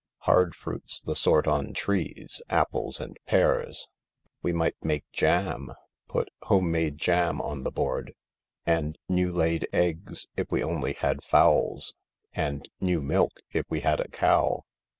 Hard fruit's the sort on trees — apples and pears. We might make jam, put ' Home Made Jam ' on the board," " And ' New Laid Eggs ' if we only had fowls." "And 'New Milk' if we had a cow."